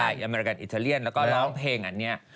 อเมริกันอิตาเลียนแล้วก็ร้องเพลงอันนี้